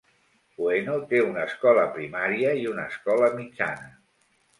Ueno té una escola primària i una escola mitjana.